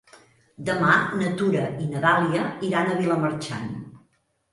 Demà na Tura i na Dàlia iran a Vilamarxant.